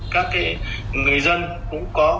các người dân cũng có